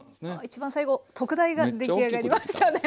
一番最後特大が出来上がりましたね！